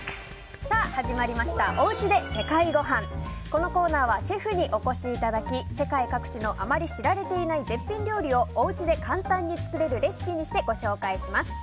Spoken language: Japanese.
このコーナーはシェフにお越しいただき世界各地のあまり知られていない絶品料理を、おうちで簡単に作れるレシピにしてご紹介します。